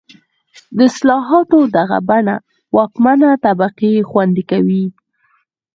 د اصلاحاتو دغه بڼه واکمنه طبقه خوندي کوي.